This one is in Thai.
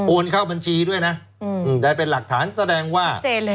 เข้าบัญชีด้วยนะได้เป็นหลักฐานแสดงว่า